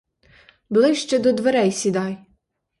Ближче до дверей сідай.